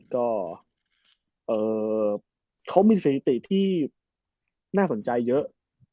ก็เขามีสถิติที่น่าสนใจเยอะ